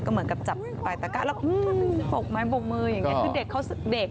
ก็เหมือนกับจับไปตะกะแล้ว